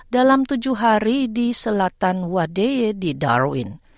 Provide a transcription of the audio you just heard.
dalam tujuh hari di selatan wadeye di darwin